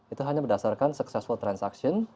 itu hanya berdasarkan succesfal transaction